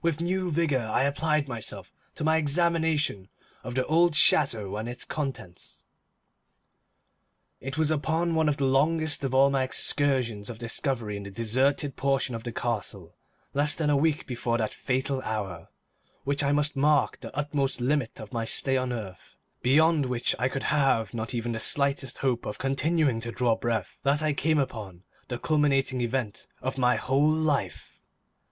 With new vigour I applied myself to my examination of the old chateau and its contents. It was upon one of the longest of all my excursions of discovery in the deserted portion of the castle, less than a week before that fatal hour which I felt must mark the utmost limit of my stay on earth, beyond which I could have not even the slightest hope of continuing to draw breath, that I came upon the culminating event of my whole life.